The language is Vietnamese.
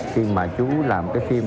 khi mà chú làm cái phim